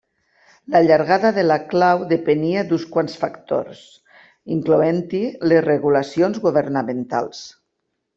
La llargada de la clau depenia d'uns quants factors, incloent-hi les regulacions governamentals.